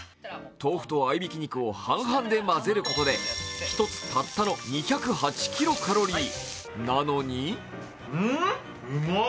とうふと合いびき肉を半々で混ぜることで１つたったの２０８キロカロリー。